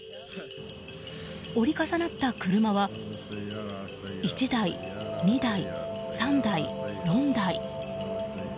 折り重なった車は１台、２台、３台、４台。